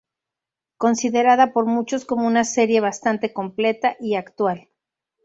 Considerada por muchos como una serie bastante completa y actual.